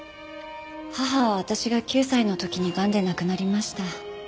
母は私が９歳の時にがんで亡くなりました。